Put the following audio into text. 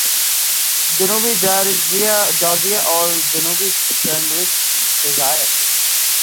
جنوبی جارجیا اور جنوبی سینڈوچ جزائر